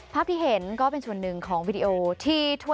ภาพที่เห็นก็เป็นส่วนหนึ่งของวิดีโอ